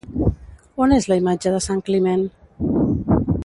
On és la imatge de sant Climent?